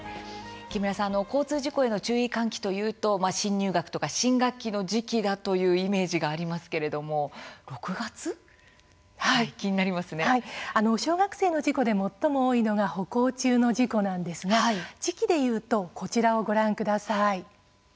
木村さん、交通事故への注意喚起というと新入学とか新学期の時期というイメージがありますが小学生の事故で最も多いのが歩行中の事故なんですが時期で言うとこちらをご覧ください。